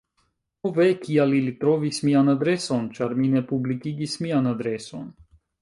"Ho ve, kial ili trovis mian adreson?" ĉar mi ne publikigis mian adreson.